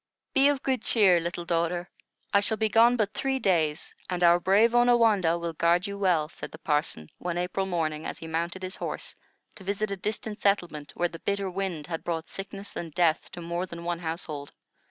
"Be of good cheer, little daughter; I shall be gone but three days, and our brave Onawandah will guard you well," said the parson, one April morning, as he mounted his horse to visit a distant settlement, where the bitter winter had brought sickness and death to more than one household.